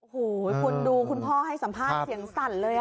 โอ้โหคุณดูคุณพ่อให้สัมภาษณ์เสียงสั่นเลย